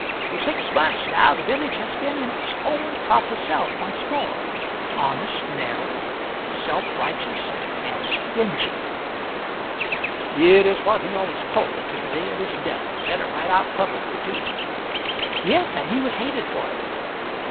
For six months, now, the village has been its own proper self once more honest, narrow, self righteous, and stingy." "It is what he always called it, to the day of his death said it right out publicly, too." "Yes, and he was hated for it."